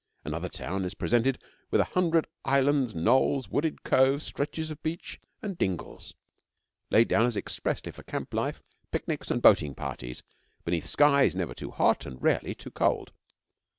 Another town is presented with a hundred islands, knolls, wooded coves, stretches of beach, and dingles, laid down as expressly for camp life, picnics, and boating parties, beneath skies never too hot and rarely too cold.